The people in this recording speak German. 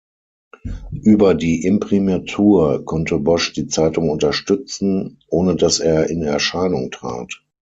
Über die Imprimatur konnte Bosch die Zeitung unterstützen, ohne dass er in Erscheinung trat.